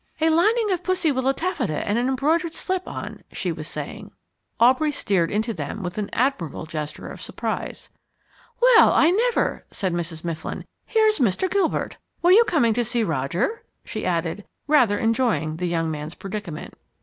"A lining of pussy willow taffeta and an embroidered slip on," she was saying. Aubrey steered onto them with an admirable gesture of surprise. "Well, I never!" said Mrs. Mifflin. "Here's Mr. Gilbert. Were you coming to see Roger?" she added, rather enjoying the young man's predicament.